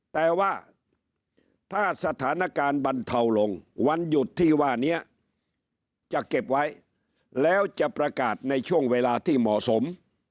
แต่ว่าถ้าสถานการณ์บรรเทาลงวันหยุดที่ว่านี้จะเก็บไว้แล้วจะประกาศในช่วงเวลาที่เหมาะสม